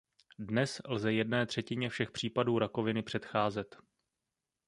Dnes lze jedné třetině všech případů rakoviny předcházet.